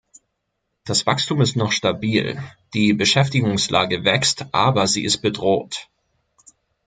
Das Wachstum ist noch stabil, die Beschäftigungslage wächst, aber sie ist bedroht.